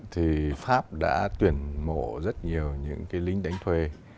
thì pháp đã tuyển mộ rất nhiều những cái lính đánh thuê